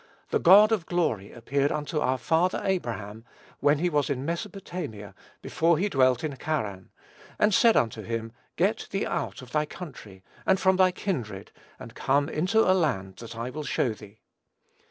"The God of glory appeared unto our father Abraham, when he was in Mesopotamia, before he dwelt in Charran, and said unto him, Get thee out of thy country, and from thy kindred, and come into a land that I will show thee.